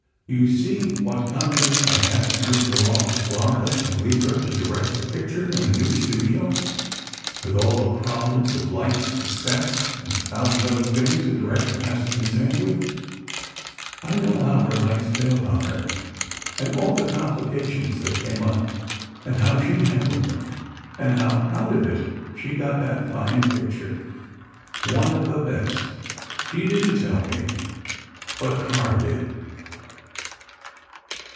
You see what confidence I had in her to go off to Florida and leave her to direct a picture in a new studio, with all the problems of lights and sets, and a thousand other things a director has to contend with. I know how her lights failed on her, and all the complications that came up, and how she handled them, and how, out of it, she got that fine picture. One of the best. She didn't tell me, but Carr did."